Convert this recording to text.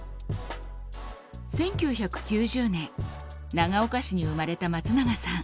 １９９０年長岡市に生まれた松永さん。